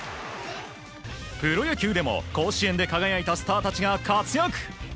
プロ野球でも甲子園で輝いたスターたちが活躍。